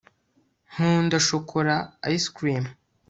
nkunda shokora ice cream